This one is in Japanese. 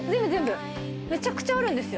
めちゃくちゃあるんですよ。